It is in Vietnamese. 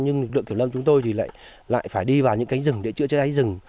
nhưng lực lượng kiểm lâm chúng tôi thì lại phải đi vào những cánh rừng để chữa cháy rừng